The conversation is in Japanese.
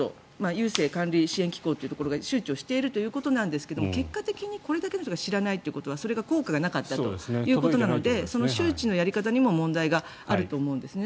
郵政管理・支援機構というところが周知しているということなんですが、結果的にこれだけの人が知らないということはそれが効果がなかったということなのでその周知のやり方にも問題があると思うんですね。